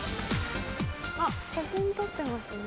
あっ写真撮ってますね。